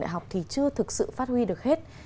đại học thì chưa thực sự phát huy được hết